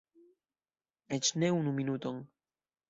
Eĉ ne unu minuton!